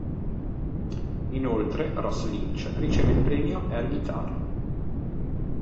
Inoltre Ross Lynch riceve il premio "Air Guitar".